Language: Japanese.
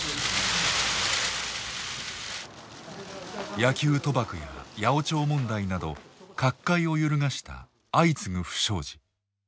野球賭博や八百長問題など角界を揺るがした相次ぐ不祥事。